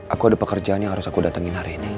aku ada pekerjaan yang harus aku datengin hari ini